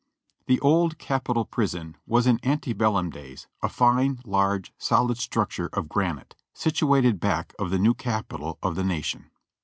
The old Capitol Prison was in anio belluni days a lino, large, solid structure of granite, situated back of the new Capitol of the Nation.